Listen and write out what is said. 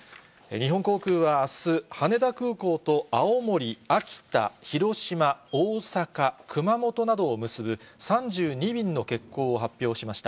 日本航空はあす、羽田空港と青森、秋田、広島、大阪、熊本などを結ぶ３２便の欠航を発表しました。